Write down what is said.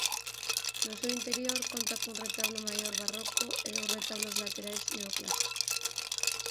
No seu interior conta cun retablo maior barroco e dous retablos laterais neoclásicos.